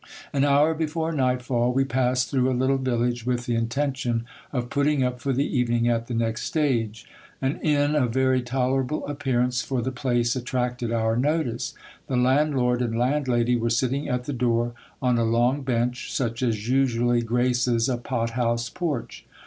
An hour before night fall we passed :hrough a little village with the intention of putting up for the evening at the lext stage. An inn of very tolerable appearance for the place attracted our lotice. The landlord and landlady were sitting at the door, on a long bench such as usually graces a pot house porch.